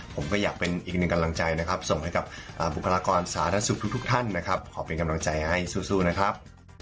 ผมก็อยากเป็นอีกหนึ่งกำลังใจนะครับส่งให้กับบุคลากรสาธารณสุขทุกท่านนะครับขอเป็นกำลังใจให้สู้นะครับ